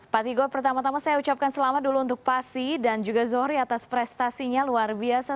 patigo pertama tama saya ucapkan selamat dulu untuk pasi dan juga zohri atas prestasinya luar biasa